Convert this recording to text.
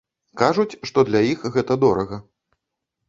Кажуць, што для іх гэта дорага.